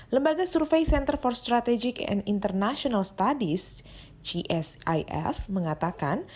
lembaga survei center for strategic and international studies gsis mengatakan